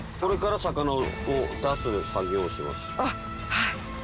はい。